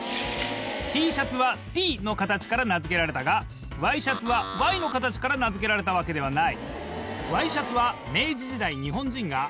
ＴシャツはＴの形から名付けられたがワイシャツはＹの形から名付けられたわけではない。